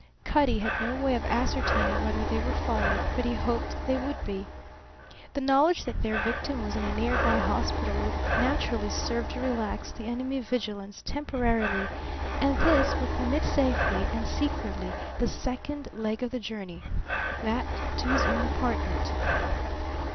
Cutty had no way of ascertaining whether they were followed; but he hoped they would be. The knowledge that their victim was in a near by hospital would naturally serve to relax the enemy vigilance temporarily; and this would permit safely and secretly the second leg of the journey that to his own apartment.